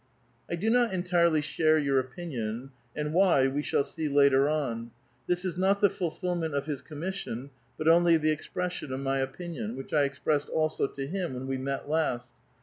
"I do not entirely share your opinion, and why, we shall see later on. Tbis is not the fulfilment of his commission, but only the expression of my opinion, which 1 expressed also to him when we met last.